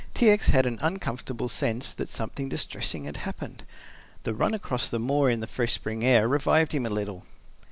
T. X. had an uncomfortable sense that something distressing had happened. The run across the moor in the fresh spring air revived him a little.